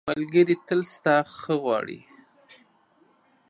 ملګری تل ستا ښه غواړي.